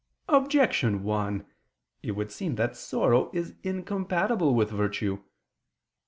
Objection 1: It would seem that sorrow is incompatible with virtue.